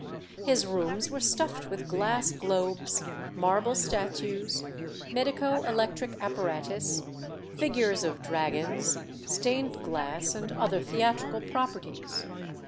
His rooms were stuffed with glass globes, marble statues, medico electric apparatus, figures of dragons, stained glass, and other theatrical properties.